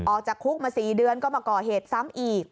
ออกจากคุกมา๔เดือนก็มาก่อเหตุซ้ำอีก